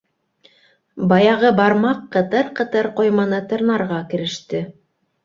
Баяғы бармаҡ ҡытыр-ҡытыр ҡойманы тырнарға кереште.